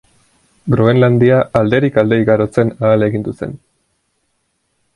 Groenlandia alderik alde igarotzen ahalegindu zen.